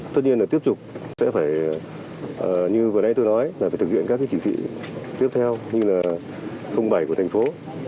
tất nhiên là tiếp tục sẽ phải như vừa đấy tôi nói là phải thực hiện các chỉ thị tiếp theo như là bảy của thành phố